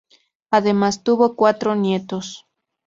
Además tuvo cuatro nietos.